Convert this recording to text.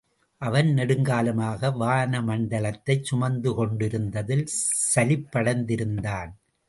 அவன் நெடுங்காலமாக வான மண்டலத்தைச் சுமந்துகொண்டிருந்ததில் சலிப்படைந்திருந்தான்.